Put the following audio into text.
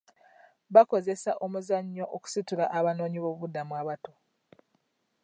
Bakozesa omuzannyo okusitula abanoonyiboobubudamu abato.